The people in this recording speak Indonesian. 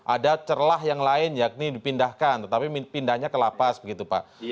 ada celah yang lain yakni dipindahkan tetapi pindahnya ke lapas begitu pak